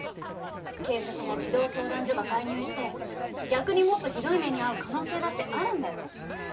警察や児童相談所が介入して逆にもっとひどい目に遭う可能性だってあるんだよ。